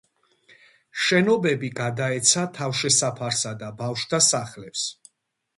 შენობები გადაეცა თავშესაფარსა და ბავშვთა სახლებს.